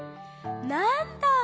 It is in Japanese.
なんだ！